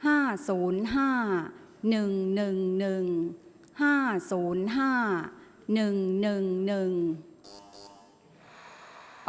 ออกรางวัลที่๖เลขที่๗